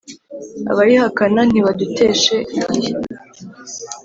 abayihakana ntibaduteshe igihe